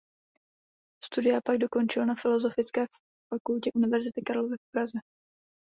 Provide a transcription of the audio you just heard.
Studia pak dokončil na Filosofické fakultě Univerzity Karlovy v Praze.